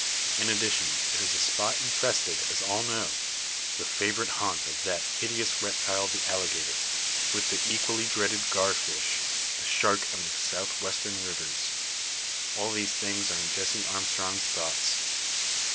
In addition, it is a spot infested, as all know the favourite haunt of that hideous reptile the alligator, with the equally dreaded gar fish the shark of the South western rivers. All these things are in Jessie Armstrong's thoughts.